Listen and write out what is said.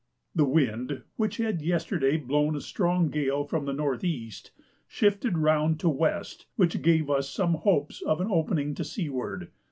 The wind, which had yesterday blown a strong gale from the N.E., shifted round to W., which gave us some hopes of an opening to seaward.